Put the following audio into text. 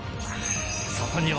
そこには